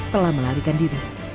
telah melarikan diri